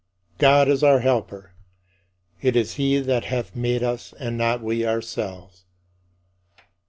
God is our Helper: "it is he that hath made us and not we ourselves."